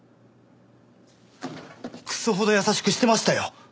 クソほど優しくしてましたよ。